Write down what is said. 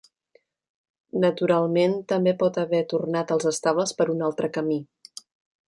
Naturalment, també pot haver tornat als estables per un altre camí.